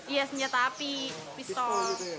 iya senjata api pistol